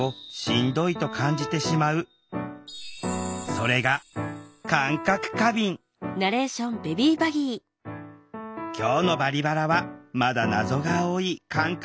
それが今日の「バリバラ」はまだ謎が多い感覚